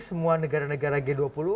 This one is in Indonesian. semua negara negara g dua puluh